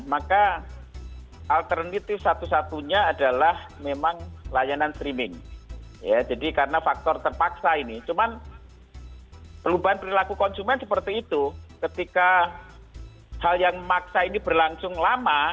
maka alternatif itu satu satunya adalah memang layanan streaming ya jadi karena faktor terpaksa ini cuman perubahan perilaku konsumen seperti itu ketika hal yang memaksa ini berlangsung lama